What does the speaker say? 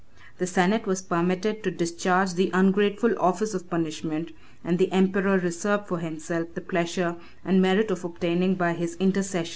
The senate was permitted to discharge the ungrateful office of punishment, and the emperor reserved for himself the pleasure and merit of obtaining by his intercession a general act of indemnity.